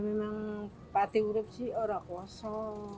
memang pati urap sih orang kuasa